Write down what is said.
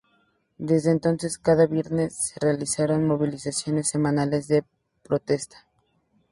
Desde entonces, cada viernes, se realizaron movilizaciones semanales de protesta.